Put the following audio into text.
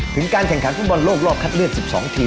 ถึงการแข่งขันฟุ่นบอลโลกรอบคัดเลือด๑๒ทีมในเมียว